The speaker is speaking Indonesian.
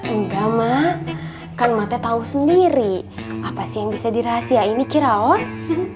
enggak emak kan emak tau sendiri apa sih yang bisa dirahasiain nih ciraos